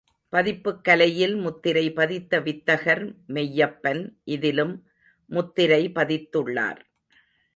பதிப்புக் கலையில் முத்திரை பதித்த வித்தகர் மெய்யப்பன், இதிலும் முத்திரை பதித்துள்ளார்.